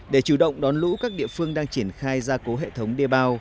để chủ động đón lũ các địa phương đang triển khai gia cố hệ thống đê bao